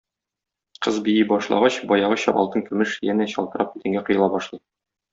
Кыз бии башлагач, баягыча алтын-көмеш янә чылтырап идәнгә коела башлый.